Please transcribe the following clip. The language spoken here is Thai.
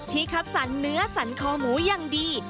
คัดสรรเนื้อสันคอหมูอย่างดี